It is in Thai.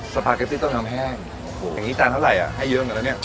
สปาเกตตี้ต้มน้ำแห้งอย่างนี้จานเท่าไหร่อ่ะให้เยอะอยู่แล้วเนี่ย